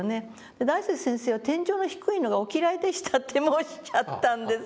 「大拙先生は天井の低いのがお嫌いでした」と申しちゃったんですよ。